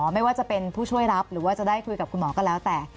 ไม่ว่าจะเป็นผู้ช่วยรับหรือว่าจะได้คุยกับคุณหมอก็แล้วแต่